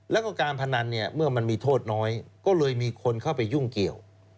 แล้วก็การพนันเนี่ยเมื่อมันมีโทษน้อยก็เลยมีคนเข้าไปยุ่งเกี่ยว